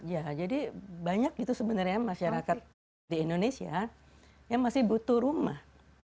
ya jadi banyak gitu sebenarnya masyarakat di indonesia yang masih butuh rumah